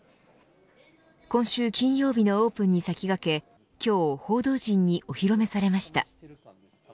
今週金曜日のオープンに先駆け今日報道陣にお披露目されました。